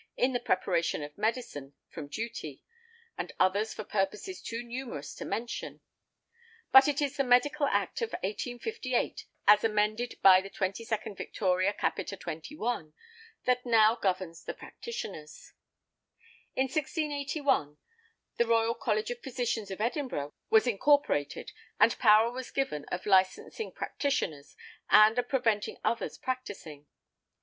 in the preparation of medicine from duty, and others for purposes too numerous to mention. But it is the Medical Act of 1858, as amended by 22 Vict. cap. 21, that now governs the practitioners. In 1681, the Royal College of Physicians of Edinburgh, was incorporated and power was given of licensing practitioners and of preventing others practising.